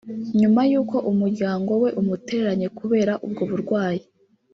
nyuma y’uko umuryango we umutereranye kubera ubwo burwayi